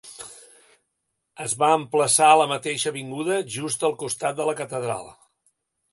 Es va emplaçar a la mateixa avinguda, just al costat de la catedral.